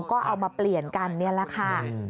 ก็เอามาเปลี่ยนกันนี่แหละค่ะ